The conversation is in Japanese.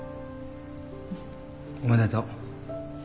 おめでとう